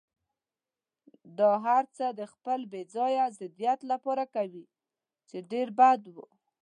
دا هرڅه د خپل بې ځایه ضدیت لپاره کوي، چې ډېر بد و.